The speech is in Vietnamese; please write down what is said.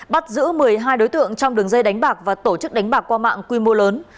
bắt giữ một mươi hai đối tượng trong đường dây đánh bạc và tổ chức đánh bạc qua mạng quy mô lớn